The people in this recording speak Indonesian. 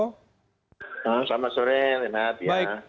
selamat sore renat